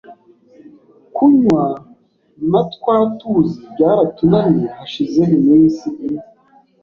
Kunywa natwatuzi byaratunaniye, hashize iminsi ine